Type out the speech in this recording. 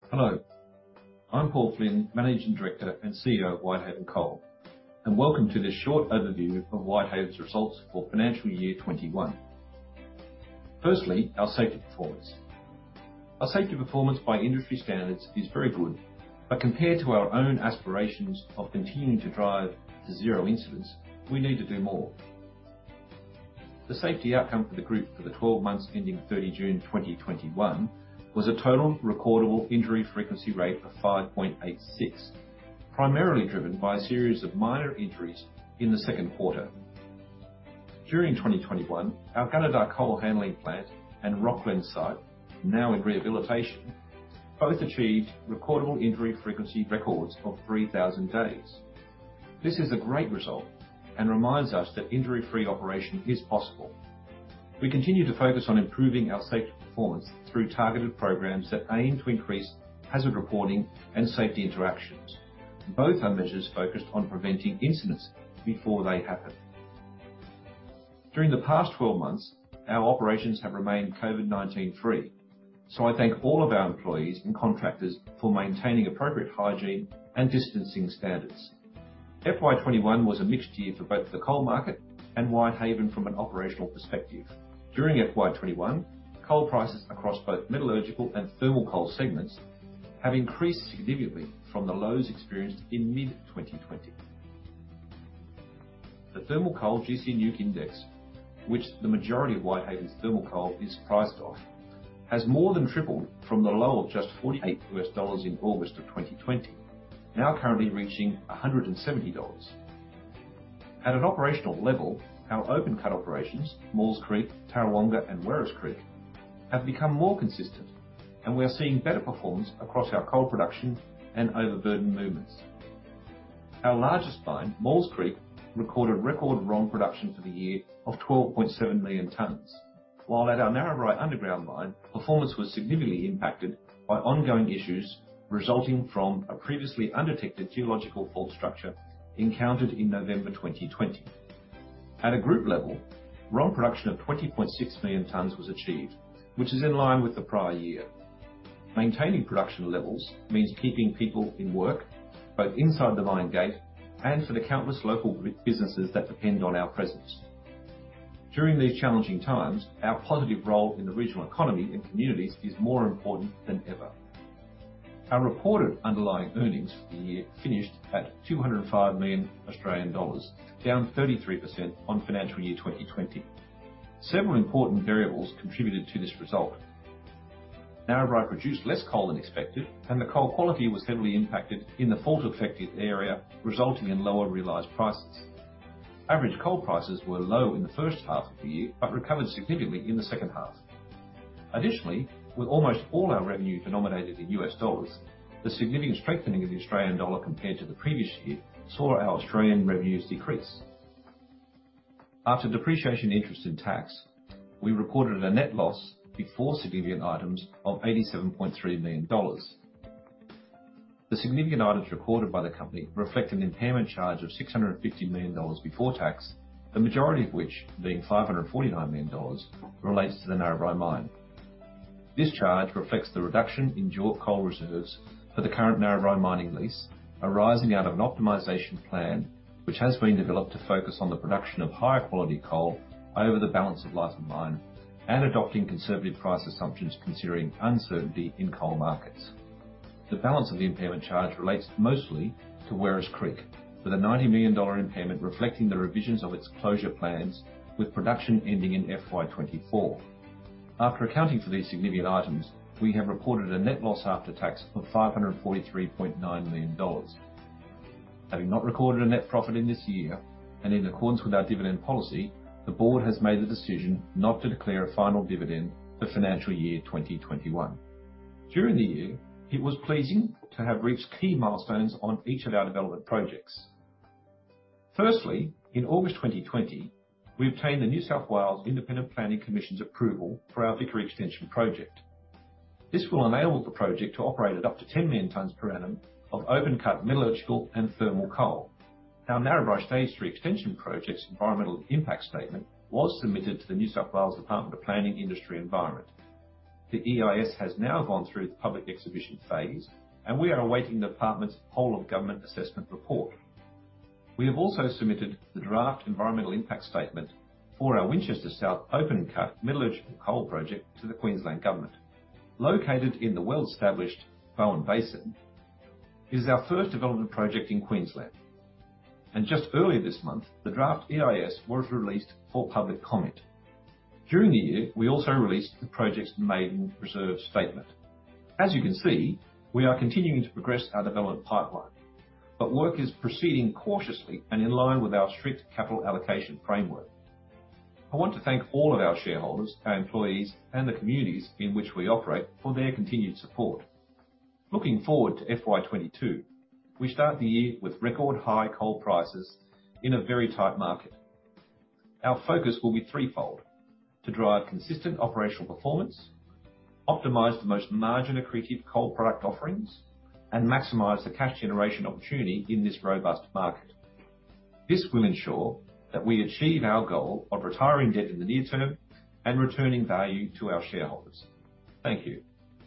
Hello, I'm Paul Flynn, Managing Director and CEO of Whitehaven Coal, and welcome to this short overview of Whitehaven's Results for Financial Year 2021. Firstly, our safety performance. Our safety performance by industry standards is very good, but compared to our own aspirations of continuing to drive to zero incidents, we need to do more. The safety outcome for the group for the 12 months ending 30 June 2021 was a total recordable injury frequency rate of 5.86, primarily driven by a series of minor injuries in the second quarter. During 2021, our Gunnedah Coal Handling Plant and Rocglen site, now in rehabilitation, both achieved recordable injury frequency records of 3,000 days. This is a great result and reminds us that injury-free operation is possible. We continue to focus on improving our safety performance through targeted programs that aim to increase hazard reporting and safety interactions, both our measures focused on preventing incidents before they happen. During the past 12 months, our operations have remained COVID-19-free, so I thank all of our employees and contractors for maintaining appropriate hygiene and distancing standards. FY21 was a mixed year for both the coal market and Whitehaven from an operational perspective. During FY21, coal prices across both metallurgical and thermal coal segments have increased significantly from the lows experienced in mid-2020. The thermal coal gC NEWC Index, which the majority of Whitehaven's thermal coal is priced off, has more than tripled from the low of just $48 in August of 2020, now currently reaching $170. At an operational level, our open-cut operations, Maules Creek, Tarrawonga, and Werris Creek, have become more consistent, and we are seeing better performance across our coal production and overburden movements. Our largest mine, Maules Creek, recorded record run production for the year of 12.7 million tons, while at our Narrabri underground mine, performance was significantly impacted by ongoing issues resulting from a previously undetected geological fault structure encountered in November 2020. At a group level, run production of 20.6 million tons was achieved, which is in line with the prior year. Maintaining production levels means keeping people in work, both inside the mine gate and for the countless local businesses that depend on our presence. During these challenging times, our positive role in the regional economy and communities is more important than ever. Our reported underlying earnings for the year finished at 205 million Australian dollars, down 33% on financial year 2020. Several important variables contributed to this result. Narrabri produced less coal than expected, and the coal quality was heavily impacted in the fault-affected area, resulting in lower realized prices. Average coal prices were low in the first half of the year but recovered significantly in the second half. Additionally, with almost all our revenue denominated in US dollars, the significant strengthening of the Australian dollar compared to the previous year saw our Australian revenues decrease. After depreciation interest in tax, we recorded a net loss before significant items of 87.3 million dollars. The significant items recorded by the company reflect an impairment charge of 650 million dollars before tax, the majority of which being 549 million dollars relates to the Narrabri mine. This charge reflects the reduction in JORC coal reserves for the current Narrabri mining lease, arising out of an optimization plan which has been developed to focus on the production of higher quality coal over the balance of life of mine and adopting conservative price assumptions considering uncertainty in coal markets. The balance of the impairment charge relates mostly to Werris Creek, with a 90 million dollar impairment reflecting the revisions of its closure plans with production ending in FY24. After accounting for these significant items, we have reported a net loss after tax of 543.9 million dollars. Having not recorded a net profit in this year, and in accordance with our dividend policy, the board has made the decision not to declare a final dividend for financial year 2021. During the year, it was pleasing to have reached key milestones on each of our development projects. Firstly, in August 2020, we obtained the New South Wales Independent Planning Commission's approval for our Vickery Extension Project. This will enable the project to operate at up to 10 million tons per annum of open-cut metallurgical and thermal coal. Our Narrabri Stage 3 Extension Project's environmental impact statement was submitted to the New South Wales Department of Planning, Industry, and Environment. The EIS has now gone through the public exhibition phase, and we are awaiting the department's whole-of-government assessment report. We have also submitted the draft environmental impact statement for our Winchester South open-cut metallurgical coal project to the Queensland government. Located in the well-established Bowen Basin, it is our first development project in Queensland, and just earlier this month, the draft EIS was released for public comment. During the year, we also released the project's maiden reserve statement. As you can see, we are continuing to progress our development pipeline, but work is proceeding cautiously and in line with our strict capital allocation framework. I want to thank all of our shareholders, our employees, and the communities in which we operate for their continued support. Looking forward to FY22, we start the year with record high coal prices in a very tight market. Our focus will be threefold: to drive consistent operational performance, optimize the most margin-accretive coal product offerings, and maximize the cash generation opportunity in this robust market. This will ensure that we achieve our goal of retiring debt in the near term and returning value to our shareholders. Thank you.